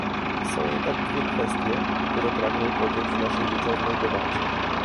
Są jednak dwie kwestie, które pragnę podjąć w naszej wieczornej debacie